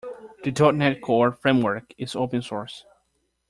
The dot net core framework is open source.